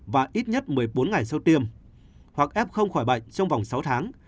và ít nhất một mươi bốn ngày sau tiêm hoặc f không khỏi bệnh trong vòng sáu tháng